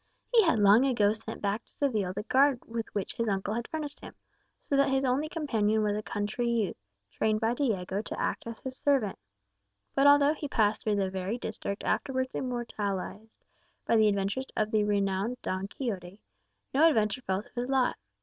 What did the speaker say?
He had long ago sent back to Seville the guard with which his uncle had furnished him, so that his only companion was a country youth, trained by Diego to act as his servant. But although he passed through the very district afterwards immortalized by the adventures of the renowned Don Quixote, no adventure fell to his lot.